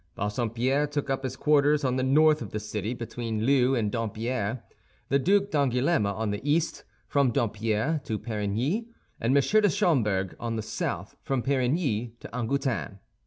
Bassompierre took up his quarters on the north of the city, between Leu and Dompierre; the Duc d'Angoulême on the east, from Dompierre to Perigny; and M. de Schomberg on the south, from Perigny to Angoutin.